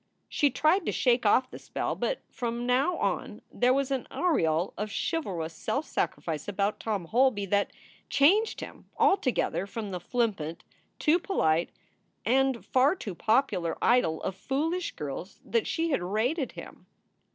She tried to shake off the spell, but from now on there was an aureole of chivalrous self sacrifice about Tom Holby that changed him altogether from the flippant, too polite, and far too popular idol of foolish girls that she had rated him.